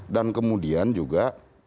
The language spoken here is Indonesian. dan kemudian juga